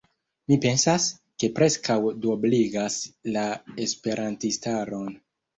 Mi pensas, ke vi preskaŭ duobligas la esperantistaron.